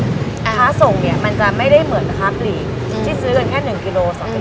ค้าส่งเนี่ยมันจะไม่ได้เหมือนค้าปลีกที่ซื้อกันแค่๑กิโล๒กิโล